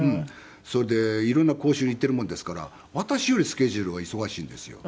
それで色んな講習に行っているもんですから私よりスケジュールが忙しいんですよ。